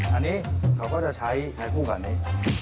อันนี้เขาก็จะใช้ในคู่กันนี้